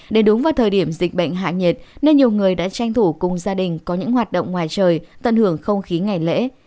để đúng vào thời điểm dịch bệnh hạ nhiệt nên nhiều người đã tranh thủ cùng gia đình có những hoạt động ngoài trời tận hưởng không khí ngày lễ